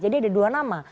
jadi ada dua nama